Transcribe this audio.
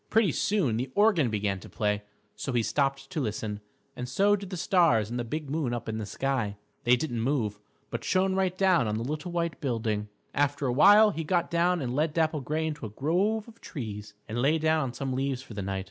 Pretty soon the organ began to play, so he stopped to listen, and so did the stars and the big moon up in the sky. They didn't move, but shone right down on the little white building. After a while he got down and led Dapple Gray into a grove of trees and lay down on some leaves for the night.